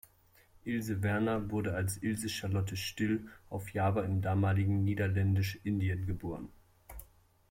Ilse Werner wurde als "Ilse Charlotte Still" auf Java im damaligen Niederländisch-Indien geboren.